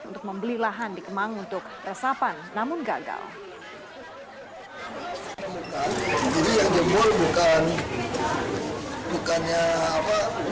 untuk membeli lahan di kemang untuk resapan namun gagal